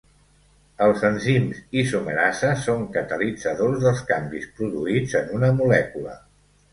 Els enzims isomerasa són catalitzadors dels canvis produïts en una molècula.